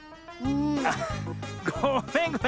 あっごめんごめん。